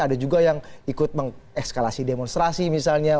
ada juga yang ikut mengekskalasi demonstrasi misalnya